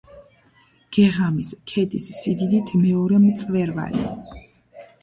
გეღამის ქედის სიდიდით მეორე მწვერვალი.